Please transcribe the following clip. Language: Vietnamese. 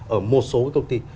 ở một số công ty